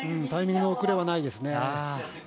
タイミングの遅れはないですね。